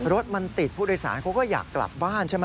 รถมันติดผู้โดยสารเขาก็อยากกลับบ้านใช่ไหม